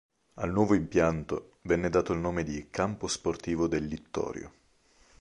Al nuovo impianto venne dato il nome di "Campo sportivo del Littorio".